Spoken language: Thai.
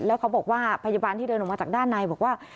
แล้วเขาบอกว่าพยาบาลที่เดินออกมาจากด้านในบอกว่า